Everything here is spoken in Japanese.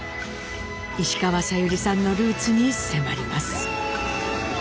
石川さゆりさんのルーツに迫ります。